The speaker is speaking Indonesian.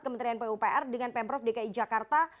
kementerian pupr dengan pemprov dki jakarta